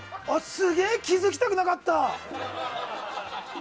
すげえ気づきたくなかった。